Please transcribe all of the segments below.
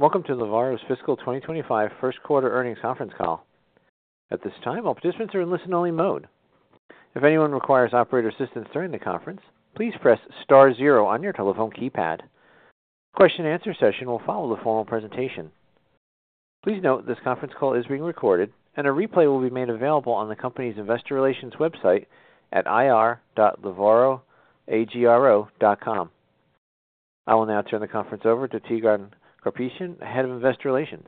Welcome to Lavoro's fiscal 2025 Q1 earnings conference call. At this time all participants are in listen-only mode. If anyone requires operator assistance during the conference, please press star zero on your telephone keypad. Question and answer session will follow the formal presentation. Please note this conference call is being recorded and a replay will be made available on the Company's investor relations website at ir.lavoroagro.com. I will now turn the conference over to Tigran Karapetian, Head of Investor Relations.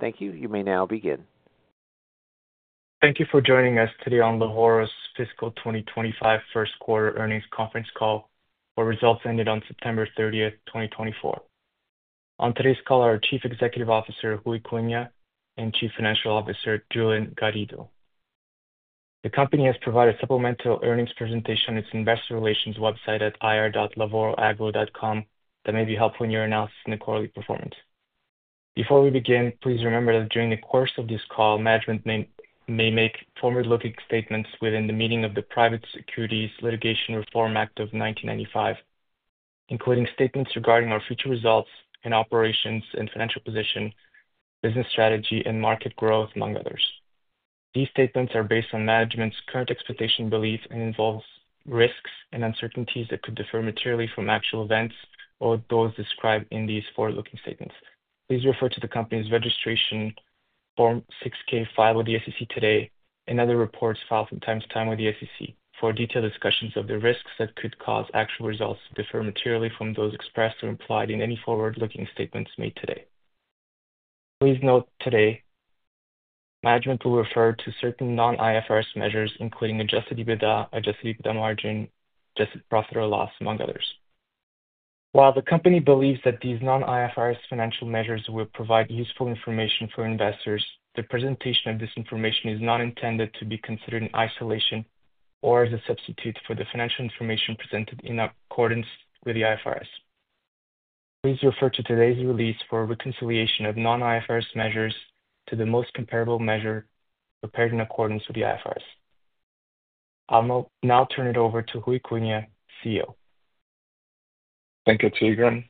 Thank you. You may now begin. Thank you for joining us today on Lavoro's fiscal 2025 Q1 earnings conference call. Our results ended on September 30, 2024. On today's call are CEO Ruy Cunha and CFO Julian Garrido. The Company has provided a supplemental earnings presentation on its investor relations website at ir.lavoroagro.com that may be helpful in your analysis and the quarterly performance. Before we begin, please remember that during the course of this call management may make forward-looking statements within the meaning of the Private Securities Litigation Reform Act of 1995, including statements regarding our future results of operations and financial position, business strategy and market growth among others. These statements are based on management's current expectations and beliefs and involve risks and uncertainties that could differ materially from actual events or those described in these forward-looking statements. Please refer to the company's registration form. 6-K filed with the SEC today and other reports filed from time to time with the SEC for detailed discussions of the risks that could cause actual results to differ materially from those expressed or implied in any forward-looking statements made today. Please note today management will refer to certain non-IFRS measures including Adjusted EBITDA, Adjusted EBITDA margin, adjusted profit or loss, among others. While the Company believes that these non-IFRS financial measures will provide useful information for investors, the presentation of this information is not intended to be considered in isolation or as a substitute for the financial information presented in accordance with the IFRS. Please refer to today's release for a reconciliation of non-IFRS measures to the most comparable measure prepared in accordance with the IFRS. I'll now turn it over to Ruy Cunha, CEO. Thank you, Tigran.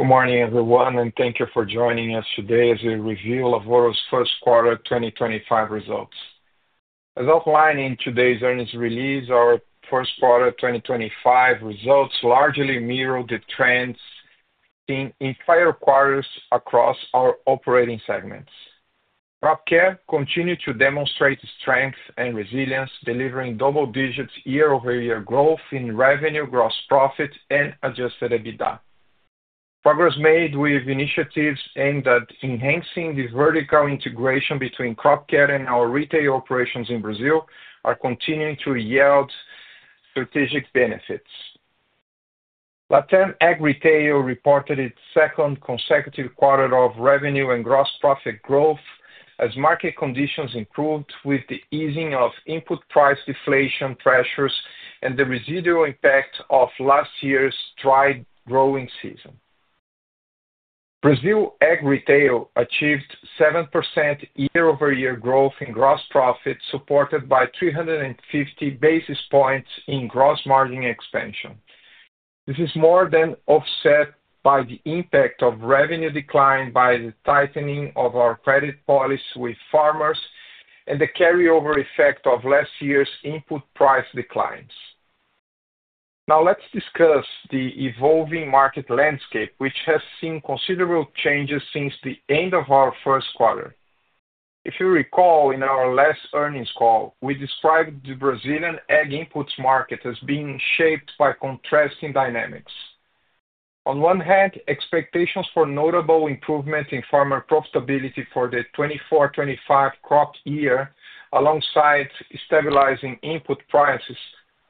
Good morning, everyone, and thank you for joining us today as we review Lavoro's Q1 2025 results as outlined in today's earnings release. Our Q1 2025 results largely mirror the trends in prior quarters across our operating segments. CropCare continued to demonstrate strength and resilience delivering double digits year-over-year growth in revenue, gross profit and adjusted EBITDA. Progress made with initiatives aimed at enhancing the vertical integration between CropCare and our retail operations in Brazil are continuing to yield strategic benefits. LATAM Ag Retail reported its second consecutive quarter of revenue and gross profit growth as market conditions improve with the easing of input price deflation pressures and the residual impact of last year's dry growing season. Brazil Ag Retail achieved 7% year-over-year growth in gross profit supported by 350 basis points in gross margin expansion. This is more than offset by the impact of revenue decline by the tightening of our credit policy with farmers and the carryover effect of last year's input price declines. Now let's discuss the evolving market landscape which has seen considerable changes since the end of our Q1. If you recall, in our last earnings call we described the Brazilian ag inputs market as being shaped by contrasting dynamics. On one hand, expectations for notable improvement in farmer profitability for the 2024-25 crop year alongside stabilization input prices.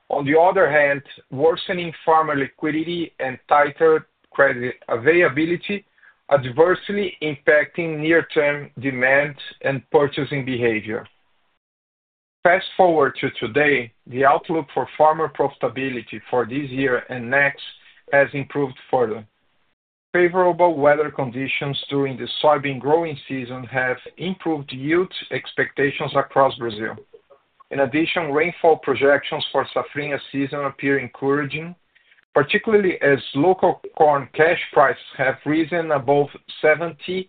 On the other hand, worsening farmer liquidity and tighter credit availability, adversely impacting near term demand and purchasing behavior. Fast forward to today, the outlook for farmer profitability for this year and next has improved further. Favorable weather conditions during the soybean growing season have improved yield expectations across Brazil. In addition, rainfall projections for Safrinha season appear encouraging, particularly as local corn cash prices have risen above 70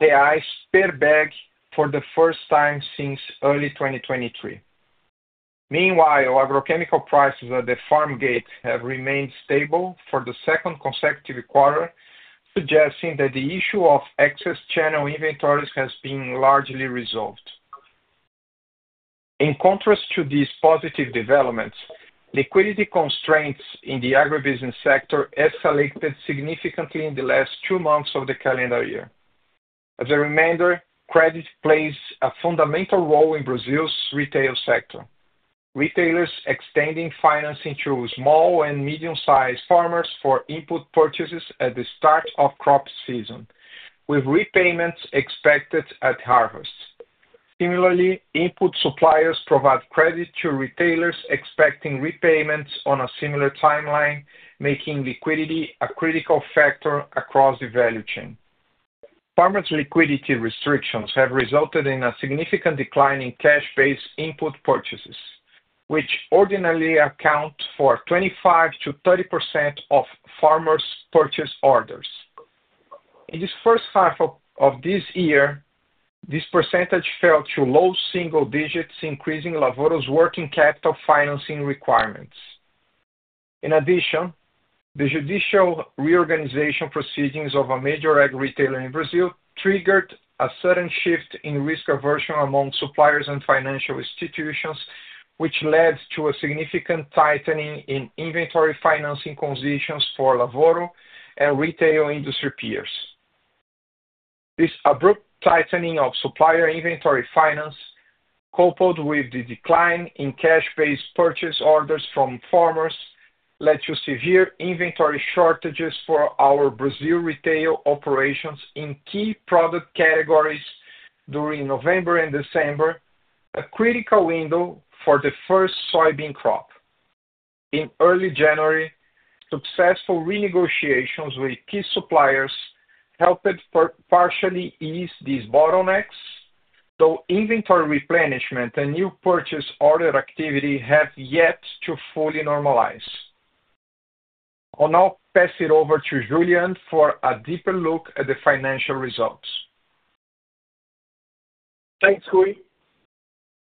reais per bag for the first time since early 2023. Meanwhile, agrochemical prices at the farm gate have remained stable for the second consecutive quarter, suggesting that the issue of excess channel inventories has been largely resolved. In contrast to these positive developments, liquidity constraints in the agribusiness sector escalated significantly in the last two months of the calendar year. As a reminder, credit plays a fundamental role in Brazil's retail sector, retailers extending financing to small and medium sized farmers for input purchases at the start of crop season with repayments expected at harvest. Similarly, input suppliers provide credit to retailers expecting repayments on a similar timeline, making liquidity a critical factor across the value chain. Farmers' liquidity restrictions have resulted in a significant decline in cash-based input purchases, which ordinarily account for 25-30% of farmers' purchase orders. In this H1 of this year, this percentage fell to low single digits, increasing Lavoro's working capital financing requirements. In addition, the judicial reorganization proceedings of a major ag retailer in Brazil triggered a sudden shift in risk aversion among suppliers and financial institutions which led to a significant tightening in inventory financing conditions for Lavoro and retail industry peers. This abrupt tightening of supplier inventory finance coupled with the decline in cash based purchase orders from farmers led to severe inventory shortages for our Brazil retail operations in key product categories during November and December, a critical window for the first soybean crop in early January. Successful renegotiations with key suppliers helped partially ease these bottlenecks, though inventory replenishment and new purchase order activity have yet to fully normalize. I'll now pass it over to Julian for a deeper look at the financial results. Thanks, Ruy.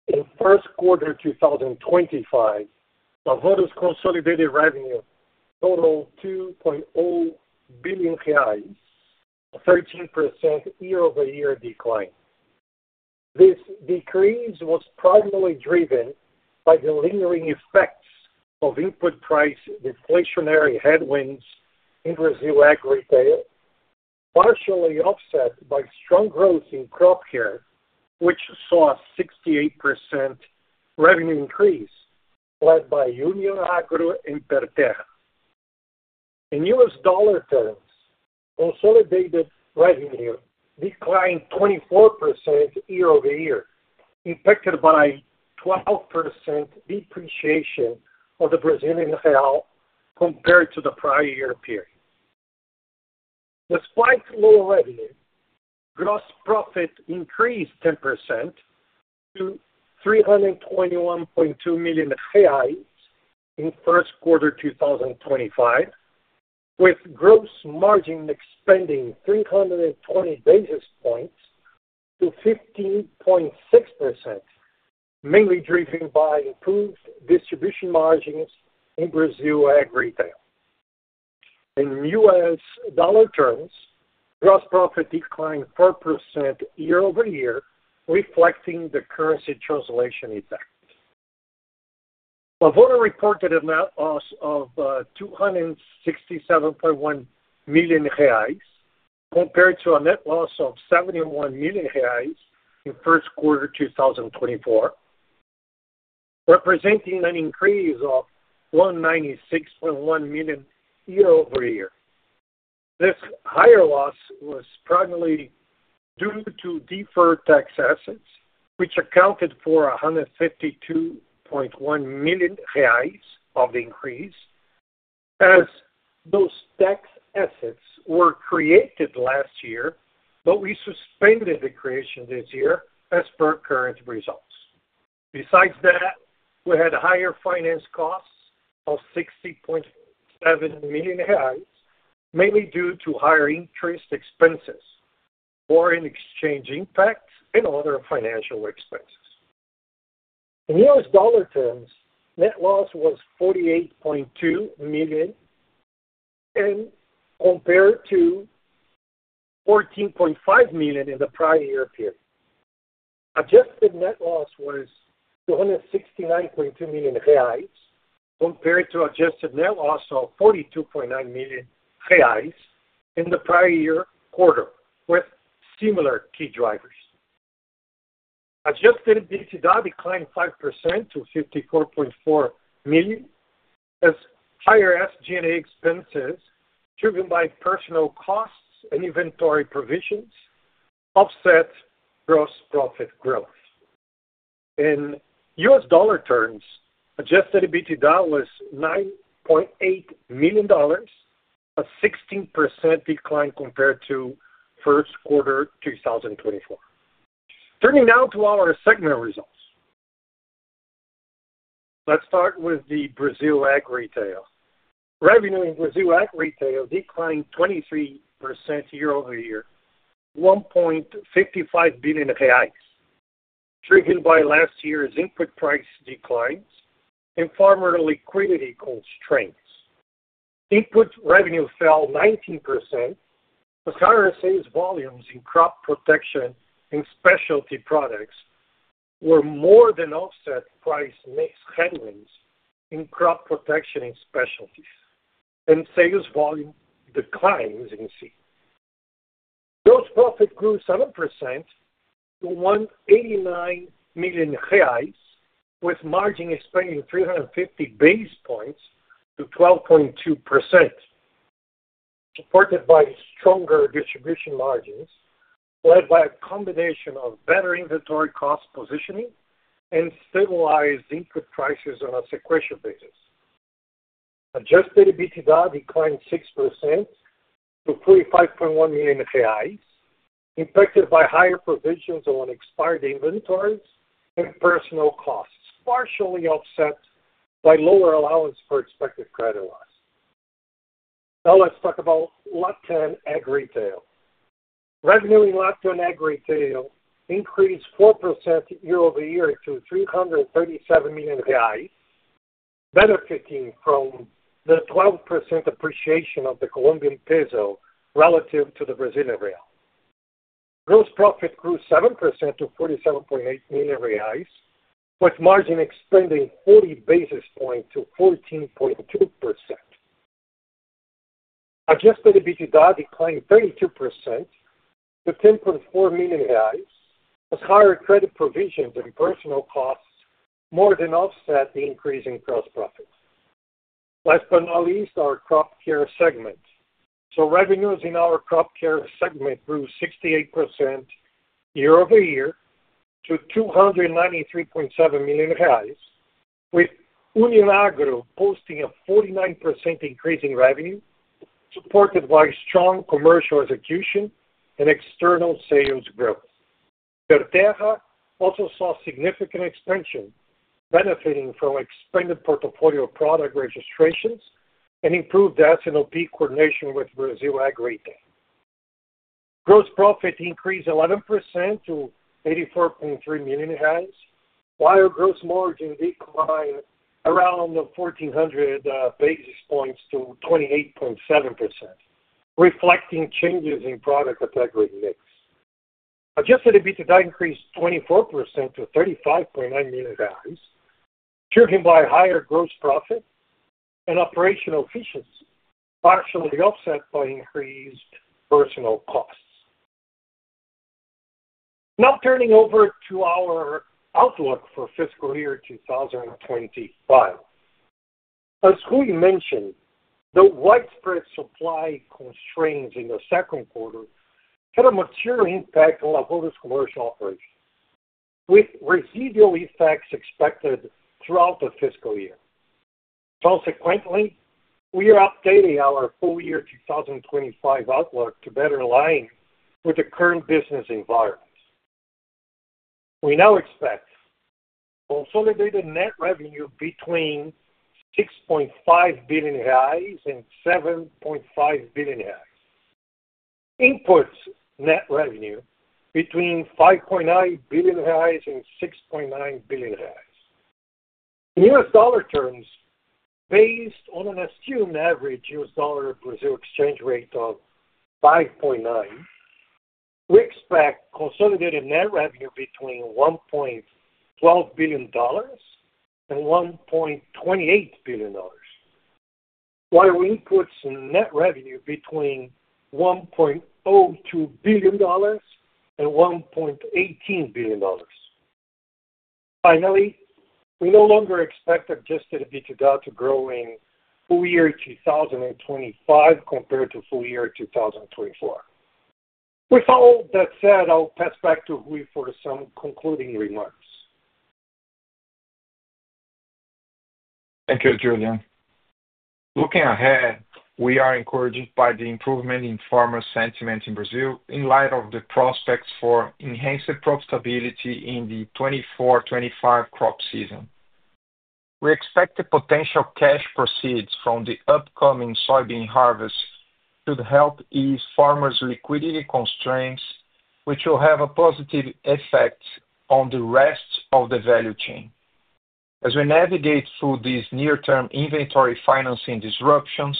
In Q1 2025, Lavoro's consolidated revenue totaled 2.0 billion reais, 13% year-over-year decline. This decrease was primarily driven by the lingering effects of input price deflationary headwinds in Brazil ag retail, partially offset by strong growth in CropCare which saw a 68% revenue increase led by Union Agro Perterra. In U.S. dollar terms, consolidated revenue declined 24% year-over-year, impacted by 12% depreciation of the Brazilian Real compared to the prior year period. Despite low revenue, gross profit increased 10% to 321.2 million reais in Q1 2025 with gross margin expanding 320 basis points to 15.6%, mainly driven by improved distribution margins in Brazil ag retail. In U.S. dollar terms, gross profit declined 4% year-over-year, reflecting the currency translation effect. Lavoro reported a net loss of 267.1 million reais compared to a net loss of 71 million reais in Q1 2024, representing an increase of 196.1 million year-over-year. This higher loss was primarily due to deferred tax assets which accounted for 152.1 million reais of increase as those tax assets were created last year, but we suspended the creation this year as per current results. Besides that, we had higher finance costs of 60.7 million mainly due to higher interest expenses, foreign exchange impacts and other financial expenses. In U.S. dollar terms, net loss was $48.2 million and compared to $14.5 million in the prior year period. Adjusted net loss was 269.2 million reais compared to adjusted net loss of 42.9 million reais in the prior year quarter with similar key drivers. Adjusted EBITDA declined 5% to 54.4 million as higher SG&A expenses driven by personnel costs and inventory provisions offset gross profit growth. In U.S. dollar terms, adjusted EBITDA was $9.8 million, a 16% decline compared to Q1 2024. Turning now to our segment results. Let's start with the Brazil Ag Retail. Revenue in Brazil Ag Retail declined 23% year-over-year, BRL 1.55 billion driven by last year's input price declines and farmer liquidity constraints. Input revenue fell 19%. The increase in sales volumes in crop protection in specialty products were more than offset price mix headwinds in crop protection in specialties and sales volume decline. As you can see, gross profit grew 7% to 1.89 million reais with margin expanding 350 basis points to 12.2%, supported by stronger distribution margins, led by a combination of better inventory cost positioning and stabilized input prices on a sequential basis. Adjusted EBITDA declined 6% to 45.1 million reais, impacted by higher provisions on expired inventories and personnel costs, partially offset by lower allowance for expected credit loss. Now let's talk about Lavoro ag retail revenue. In Lavoro ag retail increased 4% year-over-year to 337 million reais, benefiting from the 12% appreciation of the Colombian peso relative to the Brazilian real. Gross profit grew 7% to 47.8 million reais with margin expanding 40 basis points to 14.2%. Adjusted EBITDA declined 32% to 10.4 million reais as higher credit provisions and personnel costs more than offset the increase in gross profits. Last but not least, our CropCare segment. So revenues in our CropCare segment grew 68% year-over-year to 293.7 million, with Union Agro posting a 49% increase in revenue supported by strong commercial execution and external sales growth also saw significant expansion, benefiting from expanded portfolio product registrations and improved S&OP coordination with Bunge. Gross profit increased 11% to 84.3 million while gross margin declined around 1400 basis points to 28.7%, reflecting changes in product category mix. Adjusted EBITDA increased 24% to $35.9 million, driven by higher gross profit and operational efficiency, partially offset by increased personnel costs. Now turning to our outlook for fiscal year 2025, as Julian mentioned, the widespread supply constraints in the Q2 had a material impact on Lavoro's commercial operations, with residual effects expected throughout the fiscal year. Consequently, we are updating our full year 2025 outlook to better align with the current business environment. We now expect consolidated net revenue between 6.5 billion reais and 7.5 billion reais. Imports net revenue between 5.9 billion reais and 6.9 billion reais in U.S. dollar terms. Based on an assumed average U.S. dollar Brazil exchange rate of 5.9, we expect consolidated net revenue between $1.12 billion and $1.28 billion while inputs net revenue between $1.02 billion and $1.18 billion. Finally, we no longer expect Adjusted EBITDA to grow in full year 2025 compared to full year 2024. With all that said, I'll pass back to Ruy for some concluding remarks. Thank you, Julian. Looking ahead, we are encouraged by the improvement in farmer sentiment in Brazil. In light of the prospects for enhanced profitability in the 2024-25 crop season, we expect the potential cash proceeds from the upcoming soybean harvest should help ease farmers' liquidity constraints, which will have a positive effect on the rest of the value chain. As we navigate through these near term inventory financing disruptions,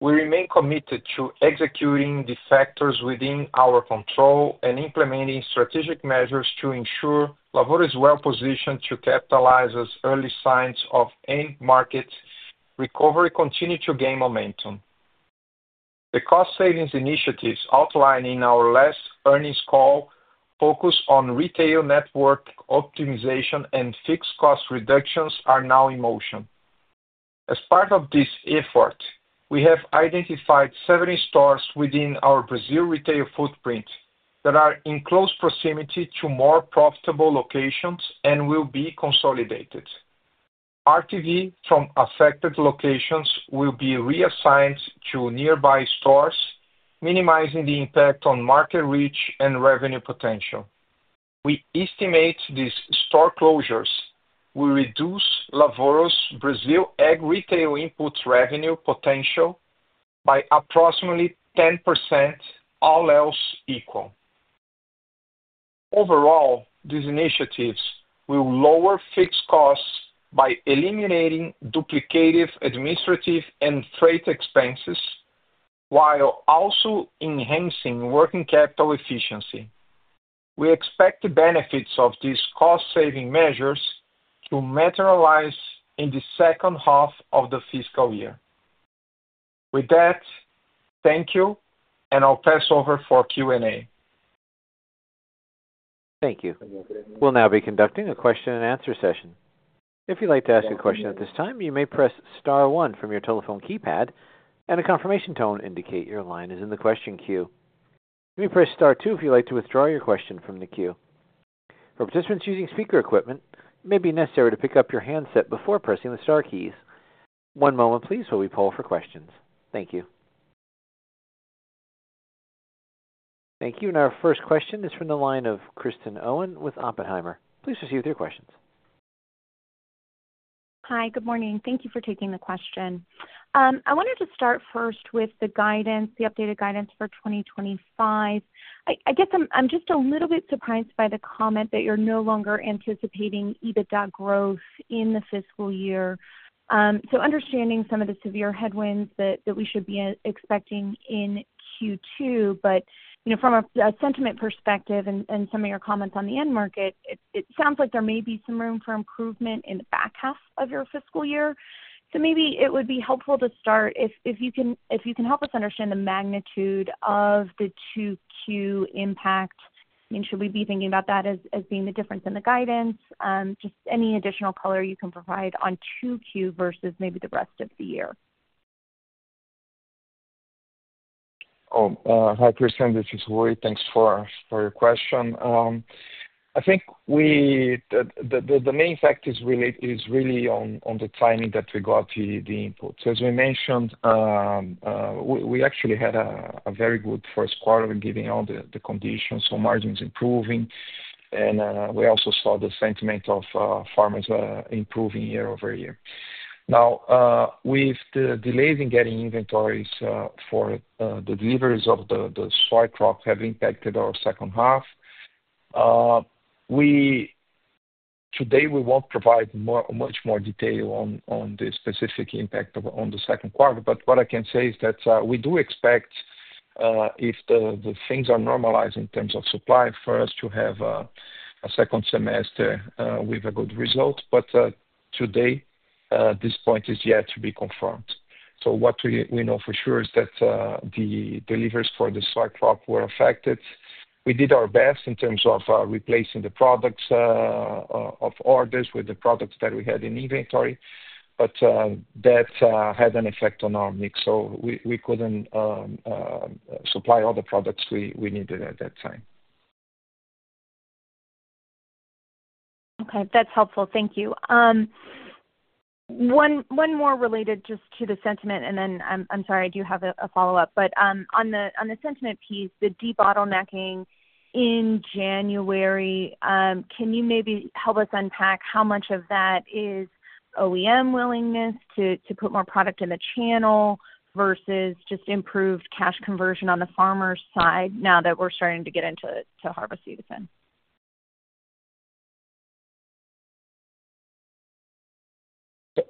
we remain committed to executing the factors within our control and implementing strategic measures to ensure Lavoro is well positioned to capitalize. As early signs of end market recovery continue to gain momentum, the cost savings initiatives outlined in our last earnings call focus on retail network optimization and fixed cost reductions are now in motion. As part of this effort, we have identified 70 stores within our Brazil retail footprint that are in close proximity to more profitable locations and will be consolidated. RTV from affected locations will be reassigned to nearby stores, minimizing the impact on market reach and revenue potential. We estimate these store closures will reduce Lavoro's Brazil ag retail input revenue potential by approximately 10%. All else equal. Overall, these initiatives will lower fixed costs by eliminating duplicative administrative and freight expenses, while also enhancing working capital efficiency. We expect the benefits of these cost saving measures to materialize in the second half of the fiscal year. With that, thank you and I'll pass over for Q&A. Thank you. We'll now be conducting a question and answer session. If you'd like to ask a question at this time, you may press star one from your telephone keypad and a confirmation tone will indicate your line is in the question queue. You may press star 2 if you'd like to withdraw your question from the queue. For participants using speaker equipment, it may be necessary to pick up your handset before pressing the star keys. One moment please, while we poll for questions. Thank you. And our first question is from the line of Kristin Owen with Oppenheimer. Please proceed with your questions. Hi, good morning. Thank you for taking the question. I wanted to start first with the guidance, the updated guidance for 2025. I guess I'm just a little bit surprised by the comment that you're no longer anticipating EBITDA growth in the fiscal, so understanding some of the severe headwinds that we should be expecting in Q2. But from a sentiment perspective and some of your comments on the end market, it sounds like there may be some room for improvement in the back half of your fiscal year. So maybe it would be helpful to start if you can help us understand the magnitude of the 2Q impact. Should we be thinking about that as being the difference in the guidance, just any additional color you can provide on two Q versus maybe the rest of the year. Hi, Kristin, this is Ruy. Thanks for your question. I think the main fact is really on the timing that we got the input. As we mentioned, we actually had a very good Q1 given all the conditions. So margins improving and we also saw the sentiment of farmers improving year-over-year. Now with the delays in getting inventories for the deliveries of the soy crop have impacted our second half. Today we won't provide much more detail on the specific impact on the Q2, but what I can say is that we do expect if things are normalized in terms of supply for us to have a second semester with a good result. But today this point is yet to be confirmed. So what we know for sure is that the deliveries for the soy crop were affected. We did our best in terms of replacing the products of orders with the products that we had in inventory, but that had an effect on our mix so we couldn't supply all the products we needed at that time. Okay, that's helpful. Thank you. One more related just to the sentiment and then I'm sorry I do have a follow-up but on the sentiment piece the debottlenecking in January, can you maybe help us unpack how much of that is OEM willingness to put more product in the channel versus just improved cash conversion on the farmer's side now that we're starting to get into the harvest season.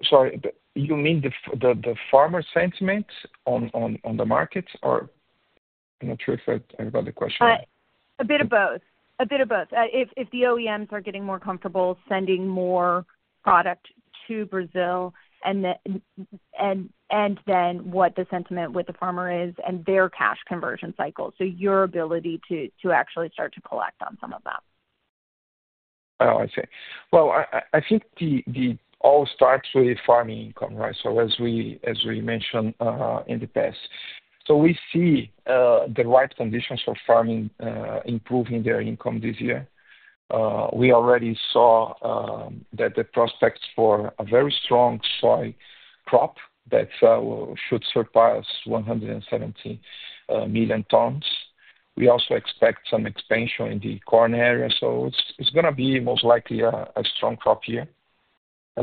Sorry, you mean the farmer sentiment on the markets, or I'm not sure if I got the question. A bit of both. A bit of both. If the OEMs are getting more comfortable sending more product to Brazil and then what the sentiment with the farmer is and their cash conversion cycle. So your ability to actually start to comment on some of that, I see. I think it all starts with farming income, right? As we mentioned in the past, we see the right conditions for farmers improving their income this year. We already saw that the prospects for a very strong soy crop that should surpass 170 million tons. We also expect some expansion in the corn area. It's going to be most likely a strong crop year.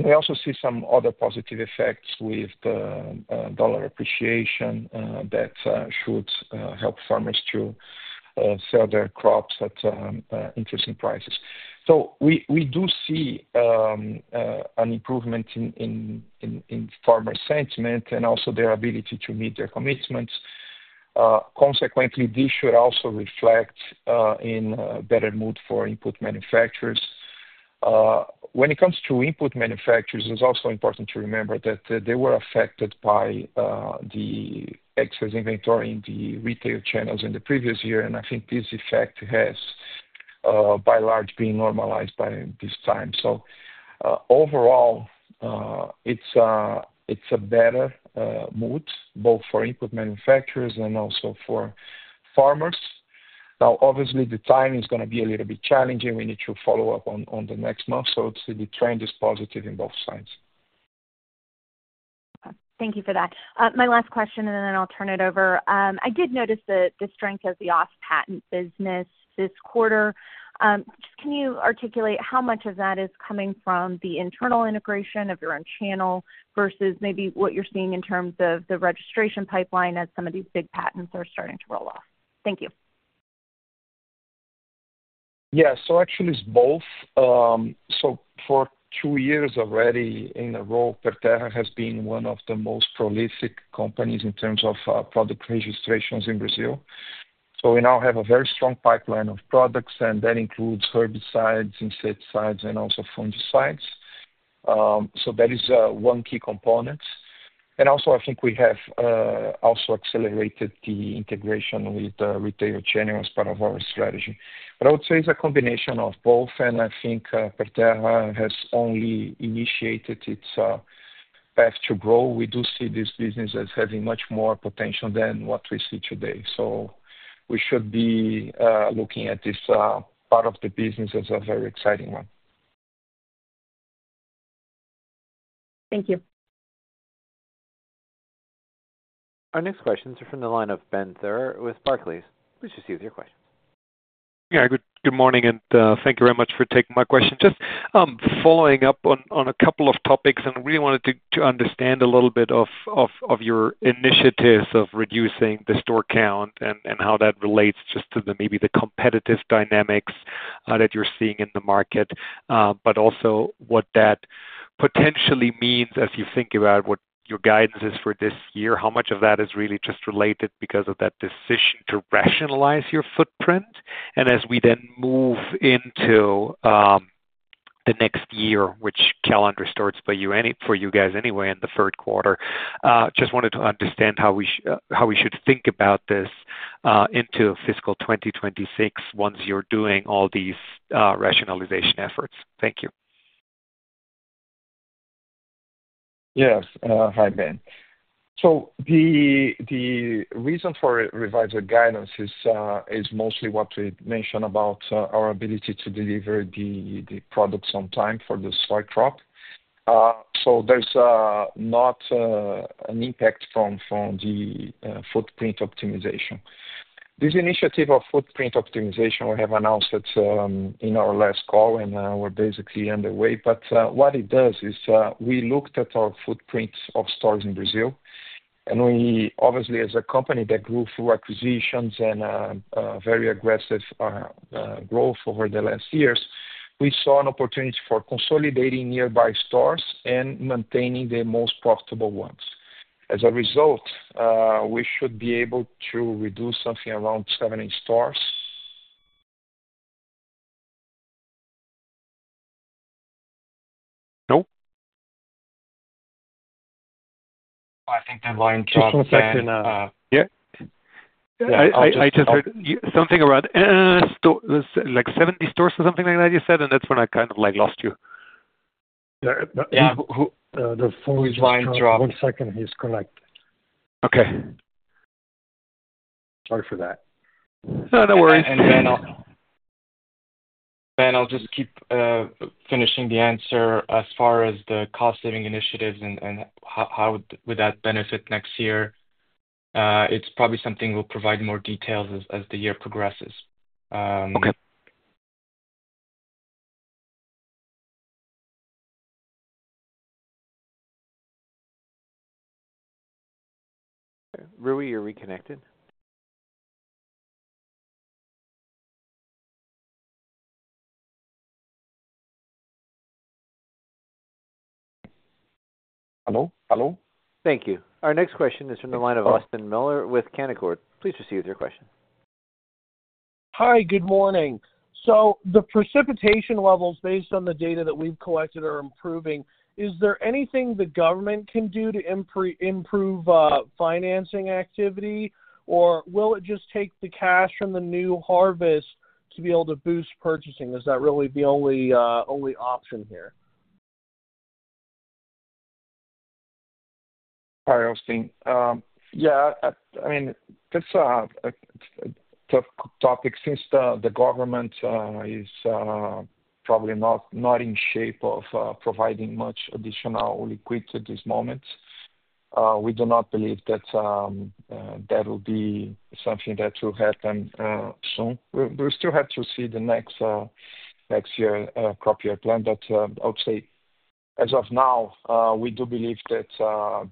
We also see some other positive effects with the dollar appreciation that should help farmers to sell their crops at interesting prices. We do see an improvement in farmer sentiment and also their ability to meet their commitments. Consequently, this should also reflect in better mood for input manufacturers. When it comes to input manufacturers, it's also important to remember that they were affected by the excess inventory in the retail channels in the previous year. And I think this effect has by and large been normalized by this time. So overall it's, it's a better mood both for input manufacturers and also for farmers. Now obviously the timing is going to be a little bit challenging. We need to follow up in the next month. So the trend is positive on both sides. Thank you for that. My last question and then I'll turn it over. I did notice the strength of the off patent business this quarter. Just, can you articulate how much of that is coming from the internal integration of your own channel versus maybe what you're seeing in terms of the registration pipeline as some of these big patents are starting to roll off? Thank you. Yeah, so actually it's both. So for two years already in a row, Perterra has been one of the most prolific companies in terms of product registrations in Brazil. So we now have a very strong pipeline of products and that includes herbicides, insecticides and also fungicides. So that is one key component. And also I think we have also accelerated the integration with retail channel as part of our strategy. But I would say it's a combination of both. And I think Perterra has only initiated its path to grow. We do see this business as having much more potential than what we see today. So we should be looking at this part of the business is a very exciting one. Thank you. Our next questions are from the line of Ben Theurer with Barclays. Please receive your questions. Good morning and thank you very much for taking my question. Just following up on a couple of topics and really wanted to understand a little bit of your initiatives of reducing the store count and how that relates just to maybe the competitive dynamics that you're seeing in the market, but also what that potentially means as you think about what your guidance is for this year, how much of that is really just related because of that decision to rationalize your footprint, and as we then move into the next year, which calendar starts for you guys anyway in the Q3, just wanted to understand how we should think about this into fiscal 2026. Once you're doing all these rationalization efforts. Thank you. Yes. Hi, Ben. So the reason for revised guidance is mostly what we mentioned about our ability to deliver the products on time for the soy crop. So there's not an impact from the footprint optimization. This initiative of footprint optimization, we have announced it in our last call and we're basically underway. But what it does is we looked at our footprint of stores in Brazil and we obviously, as a company that grew through acquisitions and very aggressive growth over the last years, we saw an opportunity for consolidating nearby stores and maintaining the most profitable ones. As a result, we should be able to reduce something around 70 stores. No. I think the line drops. Yeah, I just heard something about like 70 stores or something like that you said. And that's when I kind of like lost you. Yeah, the full line drop. One second. He's connected. Okay. Sorry for that. No worries. Ben. I'll just keep finishing the answer as far as the cost saving initiatives. And how would that benefit next year? It's probably something. We'll provide more details as the year progresses. Okay. Ruy, you're reconnected. Hello. Hello. Thank you. Our next question is from the line of Austin Moeller with Canaccord. Please proceed with your question. Hi, good morning. So the precipitation levels based on the data that we've collected are important. Is there anything the government can do to improve financing activity or will it just take the cash from the new harvest to be able to boost purchasing? Is that really the only option here? Hi, Austin. Yeah, I mean, that's a topic. Since the government is probably not in shape of providing much additional liquidity at this moment, we do not believe that that will be something that will happen soon. We still have to see the next year crop year plan. But I would say as of now, we do believe that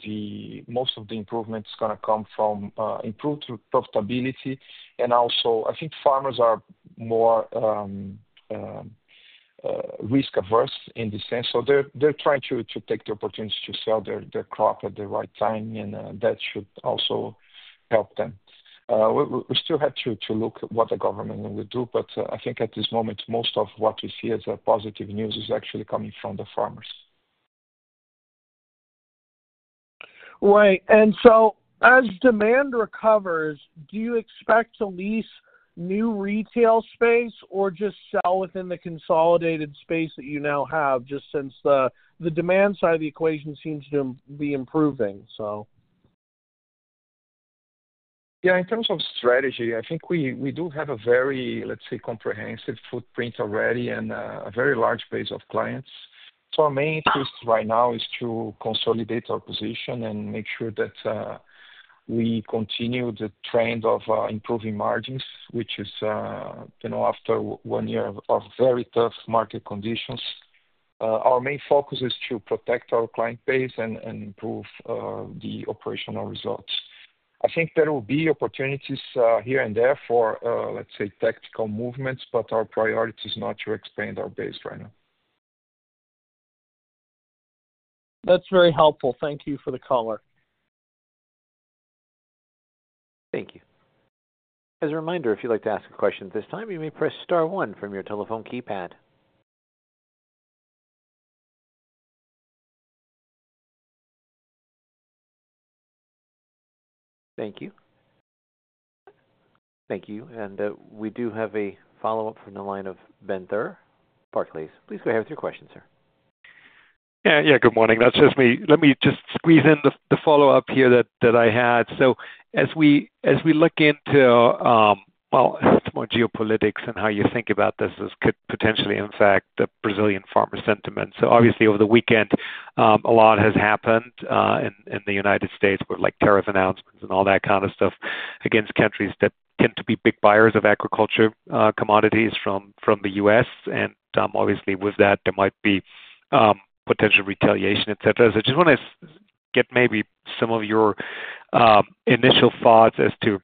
most of the improvement is going to come from improved profitability. And also I think farmers are more risk averse in the sense, so they're trying to take the opportunity to sell their crop at the right time and that should also help them. We still have to look at what the government would do, but I think at this moment, most of what we see as a positive news is actually coming from the farmer's right. And so as demand recovers, do you expect to lease new retail space or just sell within the consolidated space that you now have? Since the demand side of the equation seems to be improving. Yeah. In terms of strategy, I think we do have a very, let's say, comprehensive footprint already and a very large base of clients. So our main interest right now is to consolidate our position and make sure that we continue the trend of improving margins, which is after one year of very tough market conditions. Our main focus is to protect our client base and improve the operational results. I think there will be opportunities here and there for, let's say, tactical movements, but our priority is not to expand our base right now. That's very helpful. Thank you for the call. Thank you. As a reminder, if you'd like to ask a question at this time, you may press star one from your telephone keypad. Thank you. Thank you. We do have a follow-up from the line of Ben Theurer, Barclays. Please go ahead with your question, sir. Yeah, good morning. That's just me. Let me just squeeze in the follow up here that I had. So as we look into, well, more geopolitics and how you think about this, this could potentially impact the Brazilian farmer sentiment. So obviously over the weekend a lot has happened in the United States with like tariff announcements and all that kind of stuff against countries that tend to be big buyers of agriculture commodities from the U.S. and obviously with that there might be potential retaliation, etc. So I just want to get maybe some of your initial thoughts as to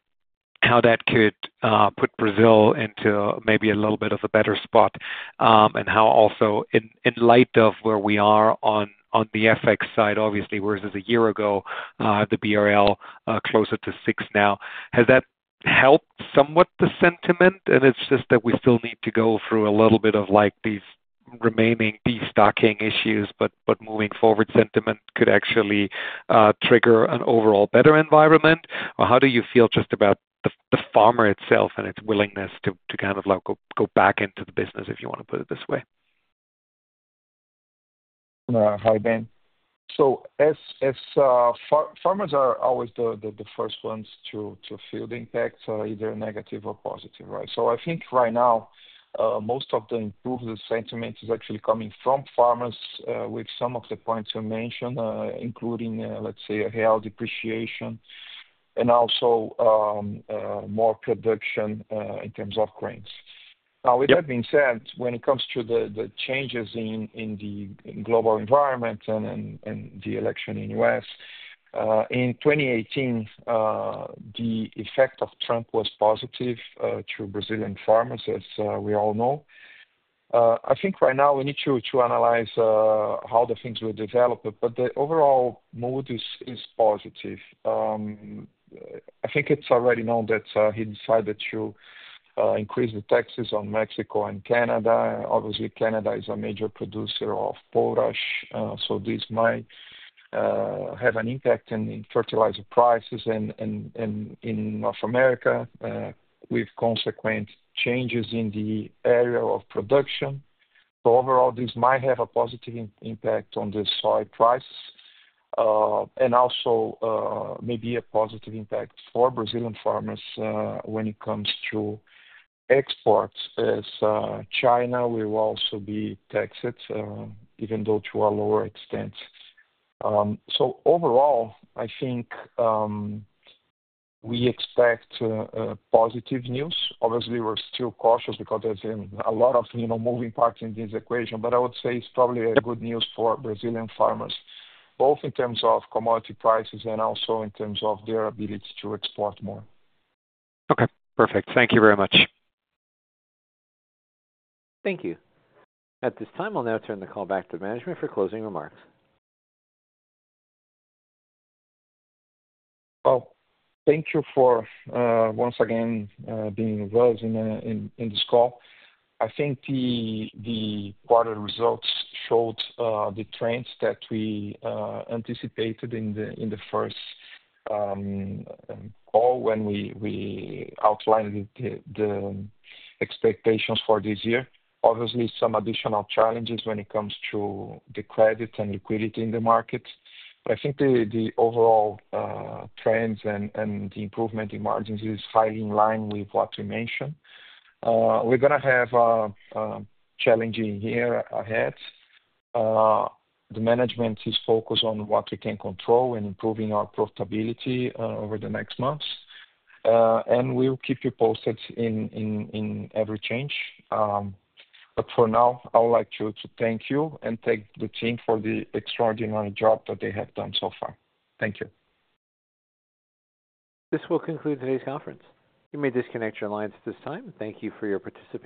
how that could put Brazil into maybe a little bit of a better spot and how also in light of where we are on the FX side, obviously, versus a year ago, the BRL closer to six now has that helped somewhat the sentiment. And it's just that we still need to go through a little bit of like these remaining destocking issues. But moving forward, sentiment could actually trigger an overall better environment or how do you feel just about the farmer itself and its willingness to kind of go back into the business, if you want? To put it this way. Hi Ben. So farmers are always the first ones to feel the impact, either negative or positive. So I think right now most of the improved sentiment is actually coming from farmers with some of the points you mentioned, including, let's say real depreciation and also more production in terms of grains. Now, with that being said, when it comes to the changes in the global environment and the election in U.S. in 2018, the effect of Trump was positive to Brazilian farmers, as we all know. I think right now we need to analyze how the things were developed, but the overall mood is positive. I think it's already known that he decided to increase the taxes on Mexico and Canada. Obviously Canada is a major producer of potash, so this might have an impact in fertilizer prices in North America. With consequent changes in the area of production. Overall, this might have a positive impact on the soy prices and also maybe a positive impact for Brazilian farmers when it comes to exports, as China will also be taxed, even though to a lower extent. So overall, I think we expect positive news. Obviously, we're still cautious because there's a lot of moving parts in this equation. But I would say it's probably good news for Brazilian farmers both in terms of commodity prices and also in terms of their ability to export more. Okay, perfect. Thank you very much. Thank you at this time. I'll now turn the call back to the management for closing remarks. Thank you for once again being with us in this call. I think the quarter results showed the trends that we anticipated in the first call when we outlined the expectations for this year. Obviously some additional challenges when it comes to the credit and liquidity in the market, but I think the overall trends and improvement in margins is highly in line with what you mentioned. We're going to have challenging year ahead. The management is focused on what we can control and improving our profitability over the next months. We'll keep you posted in every change. For now, I would like to thank you and thank the team for the extraordinary job that they have done so far. Thank you. This will conclude today's conference. You may disconnect your lines at this time. Thank you for your participation.